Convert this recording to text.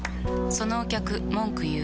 そのお客文句言う。